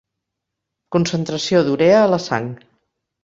Concentració d'urea a la sang.